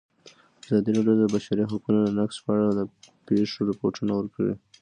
ازادي راډیو د د بشري حقونو نقض په اړه د پېښو رپوټونه ورکړي.